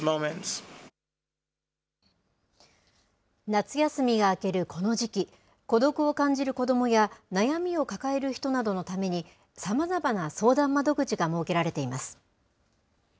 夏休みが明けるこの時期、孤独を感じる子どもや、悩みを抱える人などのために、さまざまな相談窓口が設けられています。